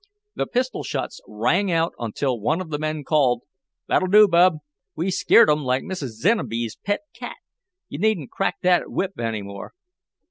The pistol shots rang out until one of the men called: "That'll do, Bub! We've skeered 'em like Mrs. Zenoby's pet cat! You needn't crack that whip any more."